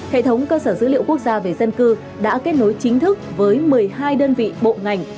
hệ thống cơ sở dữ liệu quốc gia về dân cư đã kết nối chính thức với một mươi hai đơn vị bộ ngành